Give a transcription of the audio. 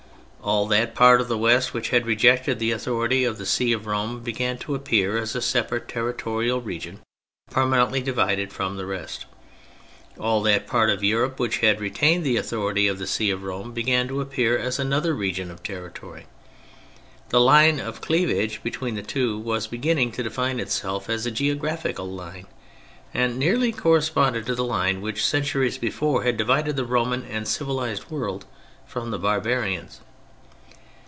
All that part of the West which had rejected the authority of the See of Rome began to appear as a separate territorial region permanently divided from the rest ; all that part of Europe which had retained the Authority of the See of Rome began to appear as another region of territory. The line of cleavage between the two was be ginning to define itself as a geographical line, and nearly corresponded to the line which, centuries before, had divided the Roman and civilised world from the Barbarians.